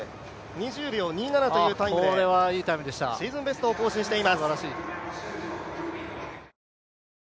２０秒２７というタイムでシーズンベストを更新しています。